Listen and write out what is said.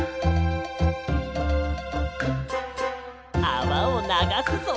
あわをながすぞ。